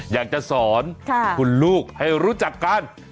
อยากจะสอนคุณลูกให้รู้จักกัน